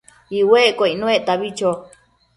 iuecquio icnuectabi cho